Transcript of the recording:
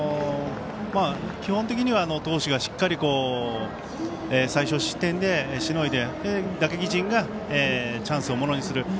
基本的には投手がしっかりと最少失点でしのいで、打撃陣がチャンスをものにする。